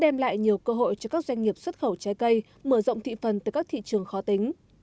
đem lại nhiều cơ hội cho các doanh nghiệp xuất khẩu trái cây mở rộng thị phần từ các thị trường khó tính